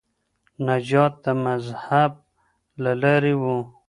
نجات د مذهب له لاري و.